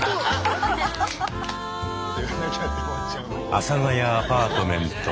「阿佐ヶ谷アパートメント」。